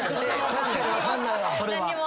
確かに分かんないわ。